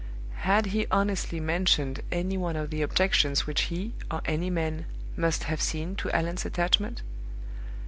Had he honestly mentioned any one of the objections which he, or any man, must have seen to Allan's attachment?